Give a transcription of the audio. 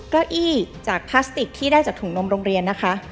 เก้าอี้จากพลาสติกที่ได้จากถุงนมโรงเรียนนะคะ